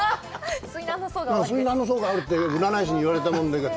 水難の相があるって占い師に言われたもんだから。